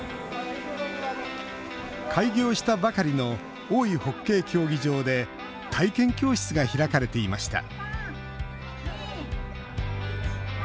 開業したばかりの大井ホッケー競技場で体験教室が開かれていました